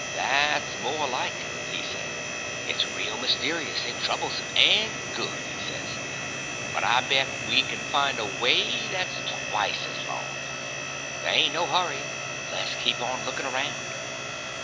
"That's more like," he says. "It's real mysterious, and troublesome, and good," he says; "but I bet we can find a way that's twice as long. There ain't no hurry; le's keep on looking around."